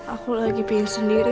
aku lagi pingin sendiri